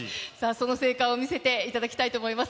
その成果を見せていただきたいと思います。